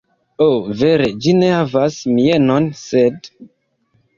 Ho, vere ĝi ne havas mienon, sed...